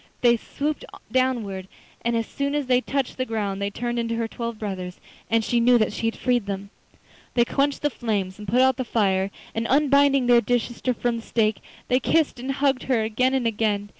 They swooped downwards, and as soon as they touched the ground they turned into her twelve brothers, and she knew that she had freed them. They quenched the flames and put out the fire, and, unbinding their dear sister from the stake, they kissed and hugged her again and again.